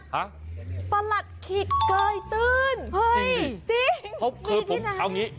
ฮะประหลัดขีกเกยตื้นเฮ้ยจริงมีที่ไหน